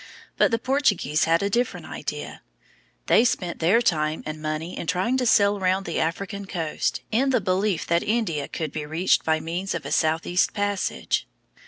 But the Portuguese had a different idea. They spent their time and money in trying to sail round the African coast, in the belief that India could be reached by means of a southeast passage.